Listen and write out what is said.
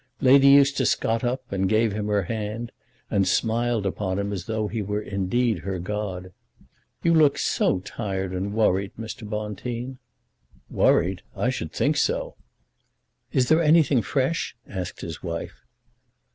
Lady Eustace got up, and gave him her hand, and smiled upon him as though he were indeed her god. "You look so tired and so worried, Mr. Bonteen." "Worried; I should think so." "Is there anything fresh?" asked his wife.